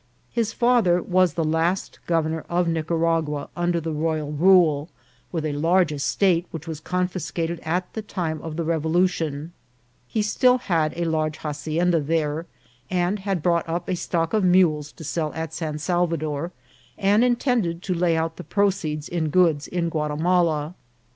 His father was the last governor of Nicaragua under the royal rule, with a large estate, which was confiscated at the time of the revolution ; he still had a large hacienda there, had brought up a stock of mules to sell at San Salvador, and intended to lay out the proceeds in goods in Gua timala.